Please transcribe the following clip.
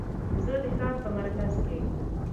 زه د ښار په مرکز کې